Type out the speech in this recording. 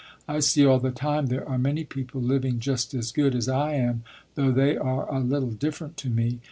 I see all the time there are many people living just as good as I am, though they are a little different to me.